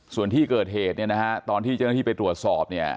ส่วนที่เกิดเหตุเนี่ยนะฮะตอนที่เจ้าหน้าที่ไปตรวจสอบเนี่ย